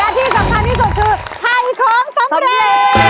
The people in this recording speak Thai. และที่สำคัญที่สุดคือไทยของสำเร็จ